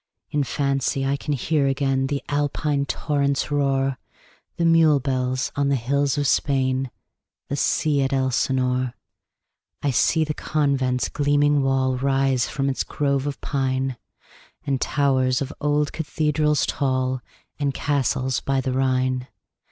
In fancy I can hear again The Alpine torrent's roar, The mule bells on the hills of Spain, 15 The sea at Elsinore. I see the convent's gleaming wall Rise from its groves of pine, And towers of old cathedrals tall, And castles by the Rhine.